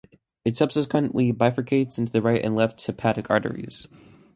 It subsequently bifurcates into the right and left hepatic arteries.